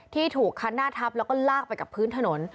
ที่ถูกคันหน้าทับแล้วก็ลากไปกับพื้นถนน